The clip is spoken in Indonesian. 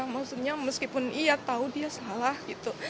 maksudnya meskipun iya tahu dia salah gitu